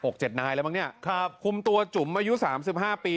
เจ็ดนายแล้วมั้งเนี่ยครับคุมตัวจุ๋มอายุสามสิบห้าปี